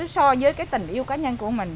so với cái tình yêu cá nhân của mình